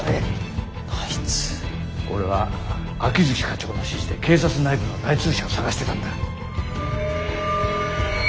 俺は秋月課長の指示で警察内部の内通者を捜してたんだ。